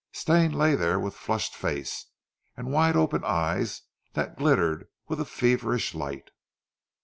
Stane lay there with flushed face, and wide open eyes that glittered with a feverish light.